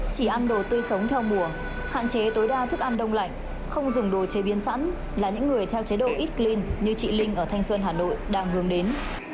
chỉ ăn đồ tươi sống theo mùa hạn chế tối đa thức ăn đông lạnh không dùng đồ chế biến sẵn là những người theo chế độ ít clin như chị linh ở thanh xuân hà nội đang hướng đến